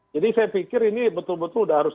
jadi saya pikir ini betul betul sudah harus